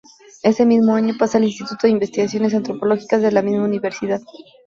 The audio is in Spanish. Ese mismo año pasa al Instituto de Investigaciones Antropológicas de la misma Universidad.